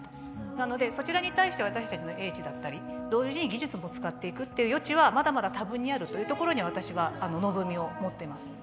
なのでそちらに対して私たちの英知だったり同時に技術も使っていくっていう余地はまだまだ多分にあるというところに私は望みを持ってます。